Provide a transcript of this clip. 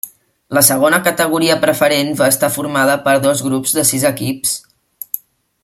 La Segona Categoria Preferent va estar formada per dos grups de sis equips.